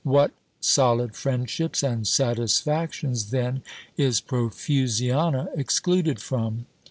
What solid friendships and satisfactions then is Profusiana excluded from!